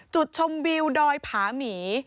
จุดชมวิวดอยผาหมี